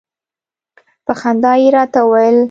په خندا يې راته وویل.